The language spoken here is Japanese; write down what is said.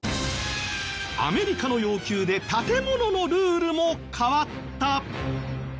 アメリカの要求で建物のルールも変わった。